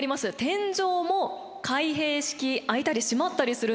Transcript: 天井も開閉式開いたり閉まったりするんですよ。